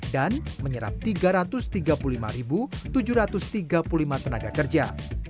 dan menyerap tiga ratus tiga puluh lima tujuh ratus tiga puluh lima tenaga kerja